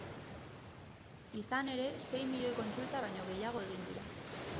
Izan ere, sei milioi kontsulta baino gehiago egin dira.